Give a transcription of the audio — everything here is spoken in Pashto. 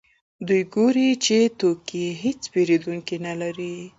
دوی ګوري چې توکي یې هېڅ پېرودونکي نلري